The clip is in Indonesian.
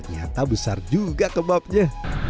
wah ternyata besar juga kebabnya